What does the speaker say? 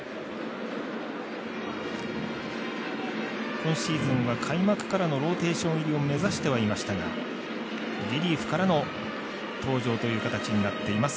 今シーズンは開幕からのローテーション入りを目指してはいましたがリリーフからの登場という形になっています